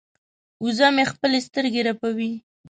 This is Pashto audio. وزه مې خپلې سترګې رپوي.